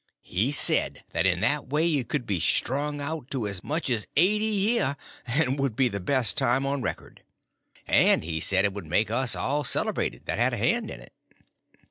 He said that in that way it could be strung out to as much as eighty year, and would be the best time on record. And he said it would make us all celebrated that had a hand in it.